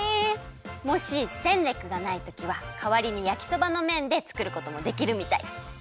もしセンレックがないときはかわりにやきそばのめんでつくることもできるみたい。